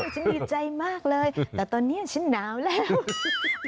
ฉันดีใจมากเลยแต่ตอนนี้ฉันหนาวแล้ว